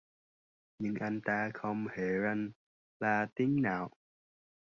Nhưng anh ta không hề rên la tiếng nào